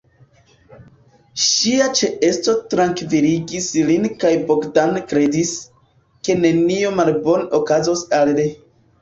Ŝia ĉeesto trankviligis lin kaj Bogdan kredis, ke nenio malbona okazos al li.